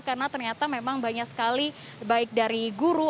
karena ternyata memang banyak sekali baik dari guru